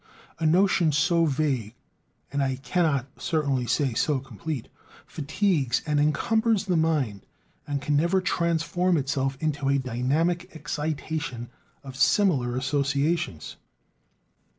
A notion so vague (I cannot certainly say so complete!) fatigues and encumbers the mind and can never transform itself into a dynamic excitation of similar associations.